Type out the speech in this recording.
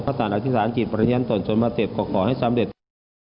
ตกพระศาลอธิษฐานจิตประญญาณตนจนมาเต็บก่อให้สำเร็จ